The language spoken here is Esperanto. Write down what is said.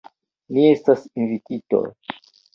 Ni estas invititoj.